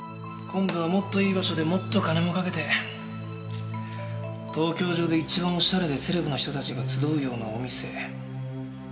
今度はもっといい場所でもっと金もかけて東京中で一番おしゃれでセレブな人たちが集うようなお店。